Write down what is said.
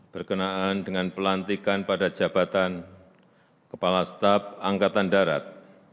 berkenaan dengan pelantikan pada jabatan kepala staf angkatan darat